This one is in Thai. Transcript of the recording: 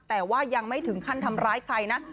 แต่ว่ายังไม่ถึงขั้นทำร้ายใครนะ